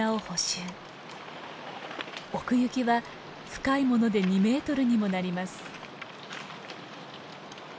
奥行きは深いもので２メートルにもなります。